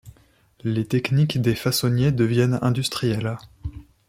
Les techniques des façonniers deviennent industrielles.